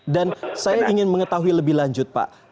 dan saya ingin mengetahui lebih lanjut pak